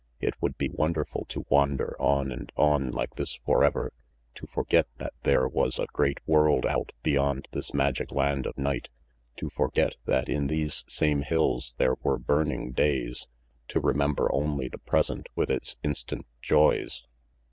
It would be wonderful to wander on and on like this forever, to forget that there was a great world out beyond this magic land of night, to forget that in these same hills there were burning days, to remember only the present with its instant joys.